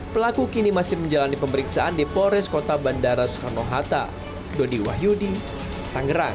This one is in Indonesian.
pelaku kini masih menjalani pemeriksaan di polres kota bandara soekarno hatta dodi wahyudi tangerang